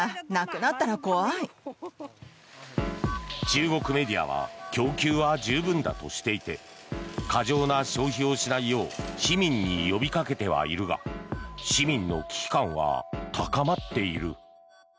中国メディアは供給は十分だとしていて過剰な消費をしないよう市民に呼びかけてはいるが市民の危機感は高まっている。